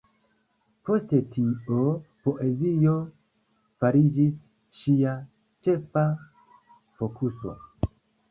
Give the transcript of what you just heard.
Post tio, poezio fariĝis ŝia ĉefa fokuso.